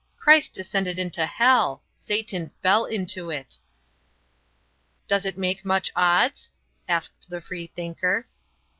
"Christ descended into hell; Satan fell into it." "Does it make much odds?" asked the free thinker.